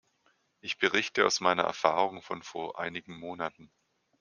Ich berichte aus meiner Erfahrung von vor einigen Monaten.